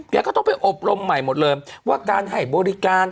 ก็ต้องไปอบรมใหม่หมดเลยว่าการให้บริการ